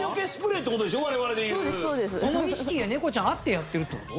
その意識が猫ちゃんあってやってるってこと？